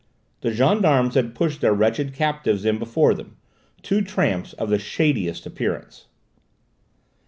The gendarmes had pushed their wretched captives in before them, two tramps of the shadiest appearance.